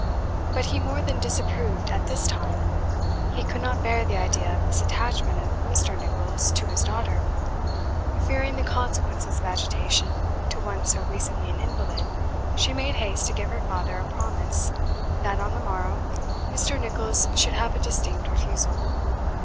But he more than disapproved at this time; he could not bear the idea of this attachment of Mr. Nicholls to his daughter. Fearing the consequences of agitation to one so recently an invalid, she made haste to give her father a promise that, on the morrow, Mr. Nicholls should have a distinct refusal.